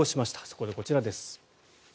そこで、こちらです。